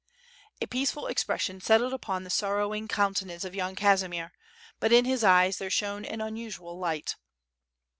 A peaceful expression settled upon the sorrowing coun tenance of Yan Kaziniier, but in his eyes there shone an un usual light.